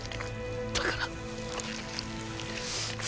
だから。